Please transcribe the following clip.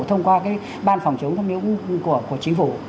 thông qua cái ban phòng chống thông nhũng của chính phủ